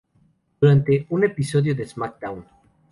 Durante un episodio de "SmackDown!